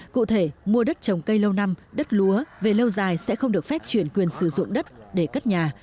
cụ thể mua đất trồng cây lâu năm đất lúa về lâu dài sẽ không được phép chuyển quyền sử dụng đất để cất nhà